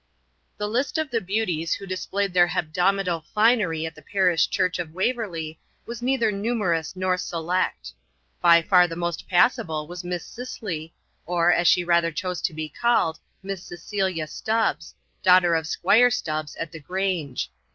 The list of the beauties who displayed their hebdomadal finery at the parish church of Waverley was neither numerous nor select. By far the most passable was Miss Sissly, or, as she rather chose to be called, Miss Cecilia Stubbs, daughter of Squire Stubbs at the Grange.